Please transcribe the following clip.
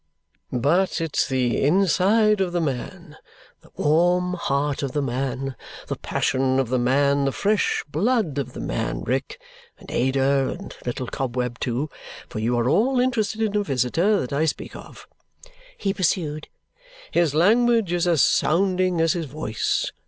"But it's the inside of the man, the warm heart of the man, the passion of the man, the fresh blood of the man, Rick and Ada, and little Cobweb too, for you are all interested in a visitor that I speak of," he pursued. "His language is as sounding as his voice.